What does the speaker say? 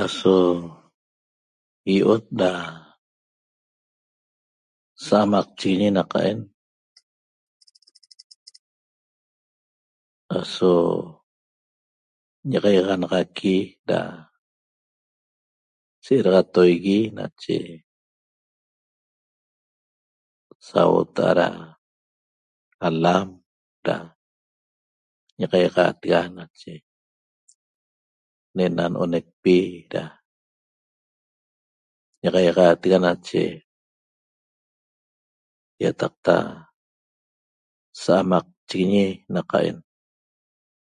Aso iot da sa'amaqchigui naqaen aso ñiaxaiaxanaxaqui da se'edaxatoigui nache sauota'a da alam da ña'axaiaxatega nache ne'ena n'onecpi da ña'axaiaxaatega nache ýataqta sa'amaqchiguiñi naqaen